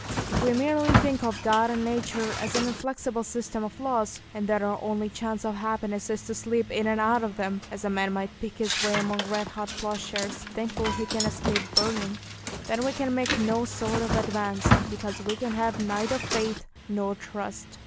If we merely think of God and nature as an inflexible system of laws, and that our only chance of happiness is to slip in and out of them, as a man might pick his way among red hot ploughshares, thankful if he can escape burning, then we can make no sort of advance, because we can have neither faith nor trust.